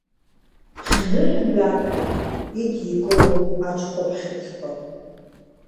Хӡырымгаҩуп, идикылом аҽхәаԥхьыӡқәа.